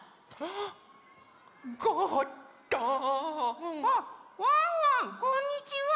あっワンワンこんにちは！